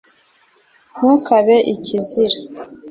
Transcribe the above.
ntukabe ikizira